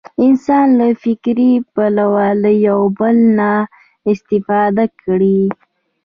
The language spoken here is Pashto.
انسان له فکري پلوه له یو بل نه استفاده کړې.